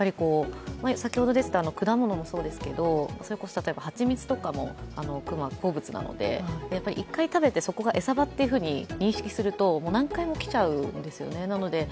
果物もそうですけど、蜂蜜とかも熊は好物なので、１回食べて、そこが餌場というふうに認識すると何回も来ちゃうんですよね。